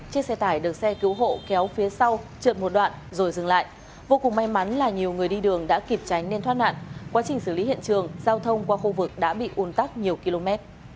chiếc xe tải được xe cứu hộ kéo phía sau trượt một đoạn rồi dừng lại vô cùng may mắn là nhiều người đi đường đã kịp tránh nên thoát nạn quá trình xử lý hiện trường giao thông qua khu vực đã bị un tắc nhiều km